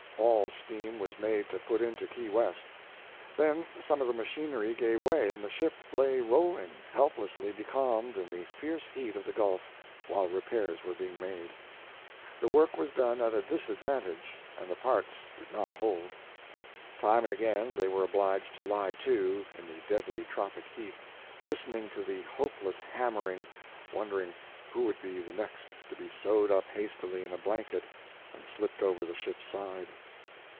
All steam was made to put into Key West. Then some of the machinery gave way and the ship lay rolling, helplessly becalmed in the fierce heat of the Gulf, while repairs were being made. The work was done at a disadvantage, and the parts did not hold. Time and again they were obliged to lie to, in the deadly tropic heat, listening to the hopeless hammering, wondering who would be the next to be sewed up hastily in a blanket and slipped over the ship's side.